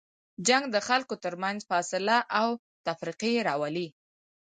جنګ د خلکو تر منځ فاصله او تفرقې راولي.